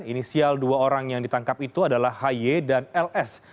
inisial dua orang yang ditangkap itu adalah hi dan ls